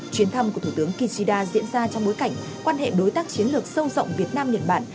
chuyến thăm của thủ tướng kishida diễn ra trong bối cảnh quan hệ đối tác chiến lược sâu rộng việt nam nhật bản